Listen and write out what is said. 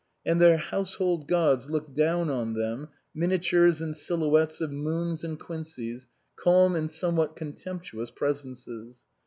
And their household gods looked down on them, miniatures and silhouettes of Moons and Quinceys, calm and somewhat contempt uous presences.